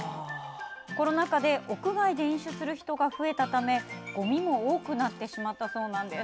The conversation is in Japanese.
コロナ禍で屋外で飲酒する人が増えたためごみも多くなってしまったそうなんです。